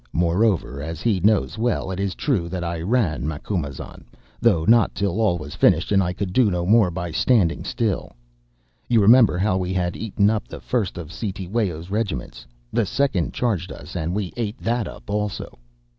Moreover, as he knows well, it is true that I ran, Macumazahn, though not till all was finished and I could do no more by standing still. You remember how, after we had eaten up the first of Cetewayo's regiments, the second charged us and we ate that up also.